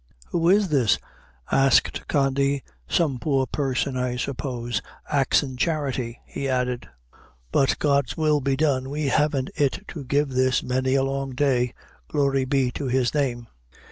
"Who is this?" asked Condy. "Some poor person, I suppose, axin' charity," he added. "But God's will be done, we haven't it to give this many a long day. Glory be to his name!"